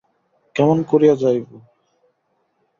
কেমন করিয়া যাইব।